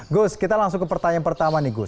gus kita langsung ke pertanyaan pertama nih gus